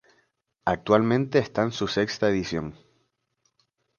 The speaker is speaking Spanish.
Actualmente está en su sexta edición.